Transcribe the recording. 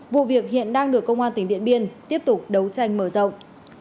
vụ việc hiện đang được công an tỉnh điện biên tiếp tục đấu tranh mở rộng